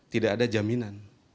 tidak ada jaminan